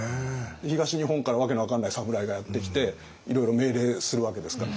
東日本から訳の分かんない侍がやって来ていろいろ命令するわけですから。